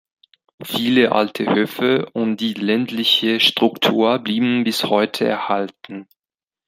Viele alte Höfe und die ländliche Struktur blieben bis heute erhalten.